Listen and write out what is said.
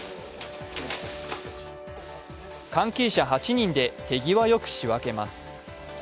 関係者８人で手際よく仕分けます。